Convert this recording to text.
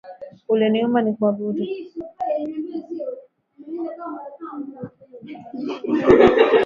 Uliniumba nikuabudu.